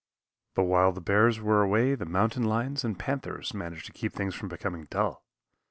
But while the bears were away the mountain lions and panthers managed to keep things from becoming dull.